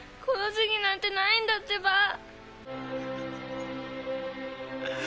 この時期なんてないんだってば！